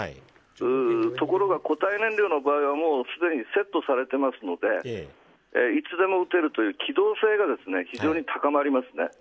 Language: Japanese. ところが、固体燃料の場合はすでにセットされているのでいつでも打てるという機動性が非常に高まります。